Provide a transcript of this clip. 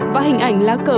và hình ảnh lá cờ